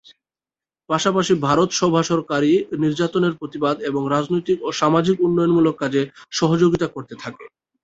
পাশাপাশি ভারত সভা সরকারি নির্যাতনের প্রতিবাদ এবং রাজনৈতিক ও সামাজিক উন্নয়নমূলক কাজে সহযোগিতা করতে থাকে।